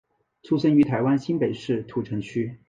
出生于台湾新北市土城区。